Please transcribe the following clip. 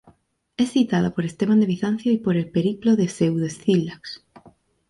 Es citada por Esteban de Bizancio y por el "Periplo de Pseudo-Escílax".